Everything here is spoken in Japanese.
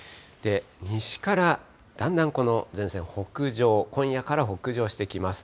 西からだんだん、この前線、北上、今夜から北上してきます。